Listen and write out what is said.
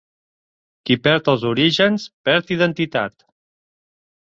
Qui perd els orígens, perd identitat.